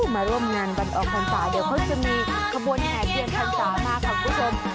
มาร่วมงานวันออกคนสาวเดี๋ยวเขาจะมีขบวนแห่งเทียงคนสาวมากครับคุณผู้ชม